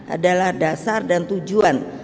adalah dasar dan tujuan